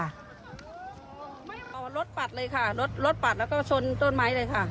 เอารถปัดเลยค่ะรถรถปัดแล้วก็ชนต้นไม้เลยค่ะ